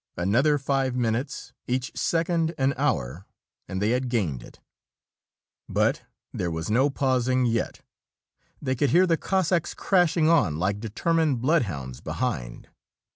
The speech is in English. Another five minutes each second an hour and they had gained it. But there was no pausing yet, they could hear the Cossacks crashing on like determined blood hounds behind.